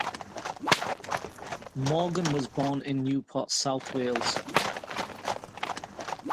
Morgan was born in Newport, South Wales.